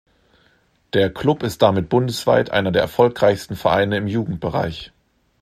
Der Club ist damit bundesweit einer der erfolgreichsten Vereine im Jugendbereich.